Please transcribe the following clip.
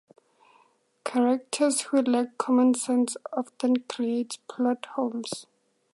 Characters who lack common sense often create plot holes.